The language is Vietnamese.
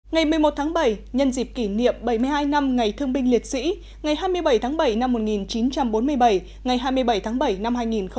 ngày một mươi một tháng bảy nhân dịp kỷ niệm bảy mươi hai năm ngày thương binh liệt sĩ ngày hai mươi bảy tháng bảy năm một nghìn chín trăm bốn mươi bảy ngày hai mươi bảy tháng bảy năm hai nghìn một mươi chín